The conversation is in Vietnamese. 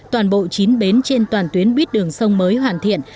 toàn bộ chín bến trên toàn tuyến buýt đường sông mới hoàn thiện